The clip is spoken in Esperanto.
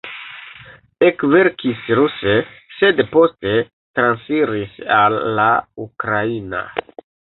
Ekverkis ruse, sed poste transiris al la ukraina.